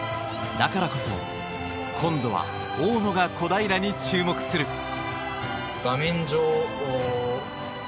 だからこそ、今度は大野が小平に注目する。